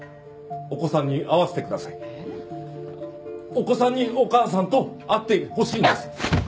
お子さんにお母さんと会ってほしいんです。